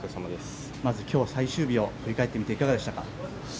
まず今日最終日を振り返ってみていかがでしたか？